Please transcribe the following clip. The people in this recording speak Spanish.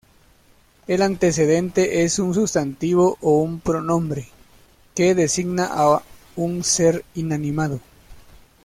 El antecedente es un sustantivo o un pronombre, que designa a un ser inanimado.